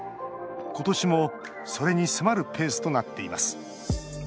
今年もそれに迫るペースとなっています。